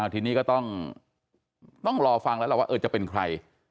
ทีนี้ก็ต้องรอฟังแล้วล่ะว่าจะเป็นใคร